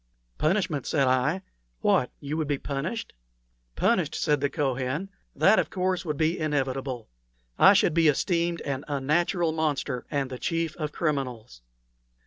"Punishment!" said I. "What! would you be punished?" "Punished!" said the Kohen. "That, of course, would be inevitable. I should be esteemed an unnatural monster and the chief of criminals.